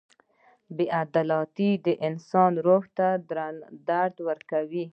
• بې عدالتي د انسان روح ته درد ورکوي.